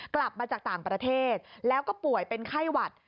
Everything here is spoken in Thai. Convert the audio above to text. กลับมาจากต่างประเทศแล้วก็ป่วยเป็นไข้หวัด